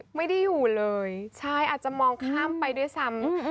ไม่ได้อยู่เลยใช่อาจจะมองข้ามไปด้วยซ้ำ